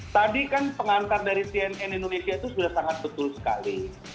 tadi kan pengantar dari cnn indonesia itu sudah sangat betul sekali